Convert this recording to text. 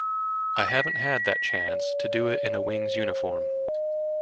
I haven't had that chance to do it in a Wings uniform.